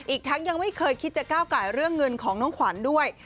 อีกทั้งยังไม่เคยคิดจะก้าวไก่เรื่องเงินของน้องขวัญด้วย